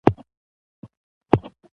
دا ستاینه زما لپاره یواځې یو ویاړ نه